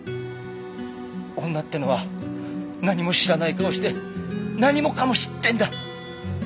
女ってのは何も知らない顔して何もかも知ってんだ。